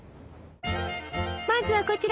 まずはこちら！